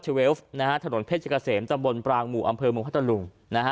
ถนนเพชรเกษมจังบลปรางหมู่อำเภอมุมพัตตาลุง